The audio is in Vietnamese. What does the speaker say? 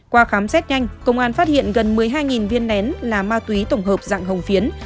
qua khám xét nhanh công an phát hiện gần một mươi hai viên nén là ma túy tổng hợp dạng hồng phiến